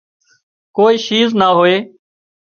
ڪوئي شيِز نِا هوئي